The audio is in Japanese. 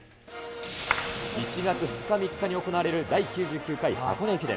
１月２日、３日に行われる第９９回箱根駅伝。